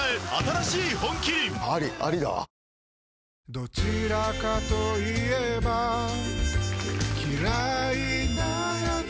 どちらかと言えば嫌いなやつ